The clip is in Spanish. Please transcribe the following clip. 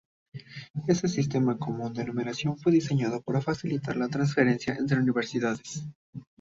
Este sistema común de numeración fue diseñado para facilitar la transferencia entre universidades.